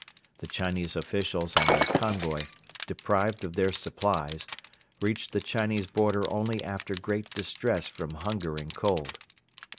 The Chinese officials and their convoy, deprived of their supplies, reached the Chinese border only after great distress from hunger and cold.